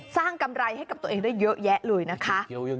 กำไรให้กับตัวเองได้เยอะแยะเลยนะคะ